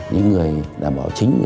những người đảm bảo chính